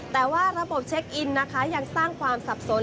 แต่ว่าระบบเช็คอินนะคะยังสร้างความสับสน